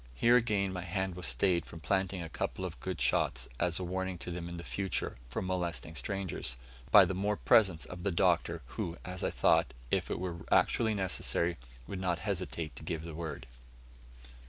Here, again, my hand was stayed from planting a couple of good shots, as a warning to them in future from molesting strangers, by the more presence of the Doctor, who, as I thought, if it were actually necessary, would not hesitate to give the word.